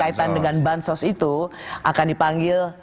dan kaitan dengan bansos itu akan dipanggil